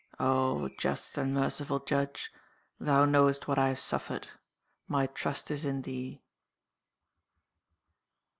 "Oh, just and merciful Judge, Thou knowest what I have suffered. My trust is in Thee."